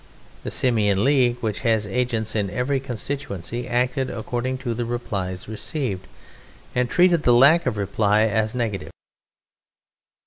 The Simian League, which has agents in every constituency, acted according to the replies received, and treated the lack of reply as a negative.